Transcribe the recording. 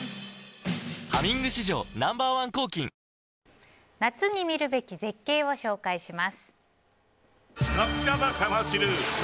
「ハミング」史上Ｎｏ．１抗菌夏に見るべき絶景を紹介します。